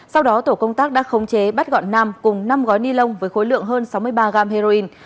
sau đó tổ công tác đã khống chế bắt gọn nam cùng năm gói ni lông với khối lượng hơn sáu mươi ba gram heroin